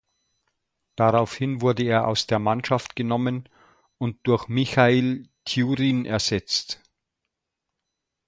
Daraufhin wurde er aus der Mannschaft genommen und durch Michail Tjurin ersetzt.